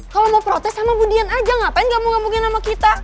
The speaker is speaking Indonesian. kalau mau protes sama bu dian aja ngapain gak mau ngomongin sama kita